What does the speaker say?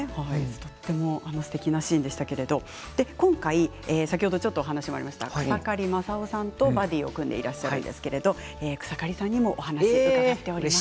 とてもすてきなシーンでしたけれど今回、先ほどもお話があった草刈正雄さんとバディーを組んでいるんですが草刈さんにもお話を伺っています。